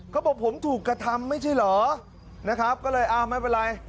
เขาบอกผมถูกกระทำไม่ใช่เหรอนะครับก็เลยอ้าวไม่เป็นไร